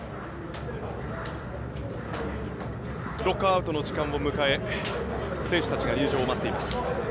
ロッカーアウトの時間を迎え選手たちが入場を待っています。